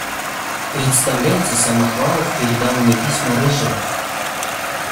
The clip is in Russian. Представляете, Самохвалов передал мне письма Рыжовой.